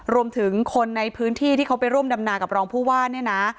รวมถึงคนในพื้นที่ที่เขาไปร่วมดำนากับรองผู้ว่าเนี่ยนะ